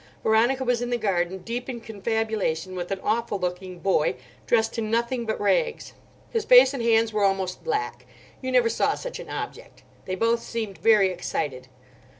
Veronica was in the garden deep in confabulation with an awful looking boy, dressed in nothing but rags. His face and hands were almost black. You never saw such an object. They both seemed very excited.